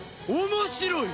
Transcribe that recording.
面白い！